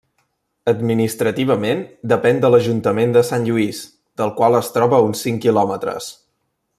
Administrativament, depèn de l'Ajuntament de Sant Lluís, del qual es troba a uns cinc quilòmetres.